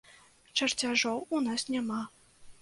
Чарцяжоў у нас няма.